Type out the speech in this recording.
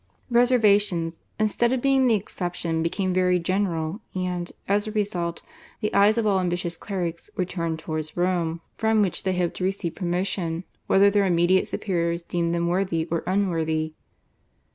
Reservations, instead of being the exception, became very general, and, as a result, the eyes of all ambitious clerics were turned towards Rome from which they hoped to receive promotion, whether their immediate superiors deemed them worthy or unworthy.